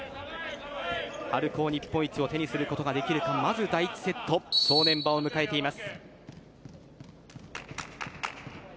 春高日本一を手にすることができるかまず第１セット正念場を迎えています。